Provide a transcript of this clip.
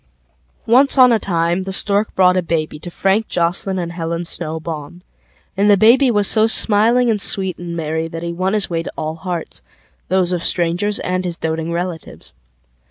Once on a time the Stork brought a babyTo Frank Joslyn and Helen Snow Baum, And the baby was so smiling and sweet and merryThat he won his way to all hearts Those of strangers and his doting relatives.